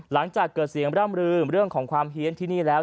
หลังจากเกิดเสียงร่ำลืมเรื่องของความเฮียนที่นี่แล้ว